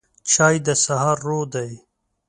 چای د سهار روح دی